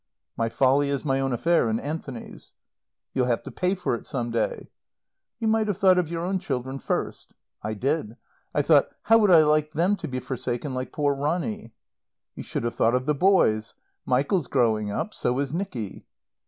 "My folly is my own affair and Anthony's." "You'll have to pay for it some day." "You might have thought of your own children first." "I did. I thought, How would I like them to be forsaken like poor Ronny?" "You should have thought of the boys. Michael's growing up; so is Nicky."